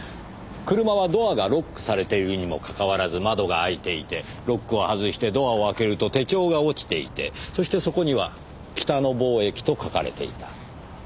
車はドアがロックされているにもかかわらず窓が開いていてロックを外してドアを開けると手帳が落ちていてそしてそこには「北野貿易」と書かれていた。